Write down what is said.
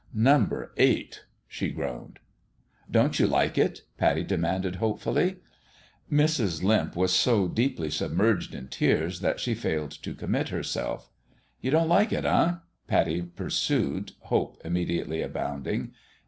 " Number eight," she groaned. " Don't you like it ?" Pattie demanded, hope fully. Mrs. Limp was so deeply submerged in tears that she failed to commit herself. The WISTFUL HEART 89 " You don't like it, eh? " Pattie pursued, hope immediately abounding.